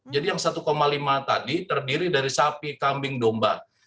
jadi yang satu lima tadi terdiri dari sapi kambing domba